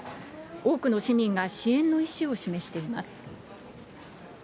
多くの市民が支援の意思を示しています。